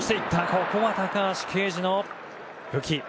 ここは高橋奎二の武器。